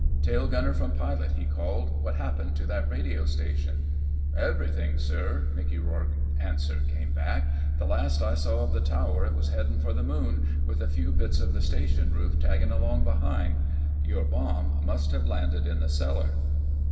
"Tail gunner from pilot," he called. "What happened to that radio station?" "Everything, sir," Mickey Rourke's answer came back. "The last I saw of the tower, it was headin' for the moon, with a few bits of the station roof taggin' along behind. Your bomb must have landed in the cellar."